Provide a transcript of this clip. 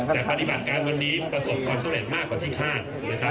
แต่ปฏิบัติการวันนี้ประสบความสำเร็จมากกว่าที่คาด